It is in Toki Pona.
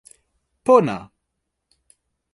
pona!